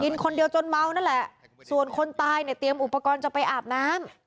คนเดียวจนเมานั่นแหละส่วนคนตายเนี่ยเตรียมอุปกรณ์จะไปอาบน้ำ